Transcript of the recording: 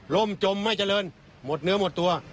่มจมไม่เจริญหมดเนื้อหมดตัว